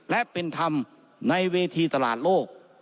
และเป็นธรรมในเวทีตลาดโลก